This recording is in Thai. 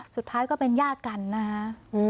สุดท้ายก็เป็นญาติกันนะฮะ